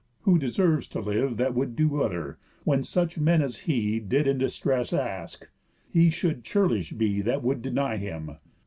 Who deserves to live That would do other, when such men as he Did in distress ask? He should churlish be That would deny him.